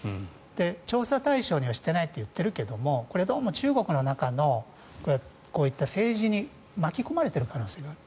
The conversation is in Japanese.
調査対象にはしていないといっているけどこれはどうも中国の中のこういった政治に巻き込まれている可能性がある。